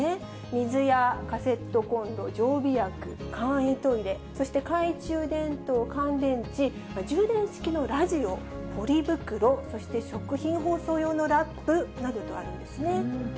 水やカセットコンロ、常備薬、簡易トイレ、そして懐中電灯、乾電池、充電式のラジオ、ポリ袋、そして食品包装用のラップなどとあるんですね。